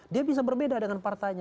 dia bisa berbeda dengan partainya